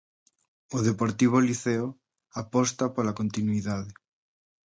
O Deportivo Liceo aposta pola continuidade.